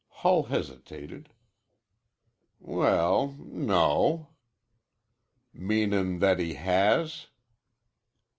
Hull hesitated. "Well no." "Meanin' that he has?"